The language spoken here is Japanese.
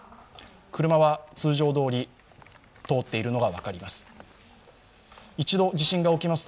車は通常どおり通っているのが分かります。